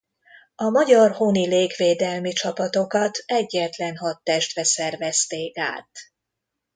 A magyar honi légvédelmi csapatokat egyetlen hadtestbe szervezték át.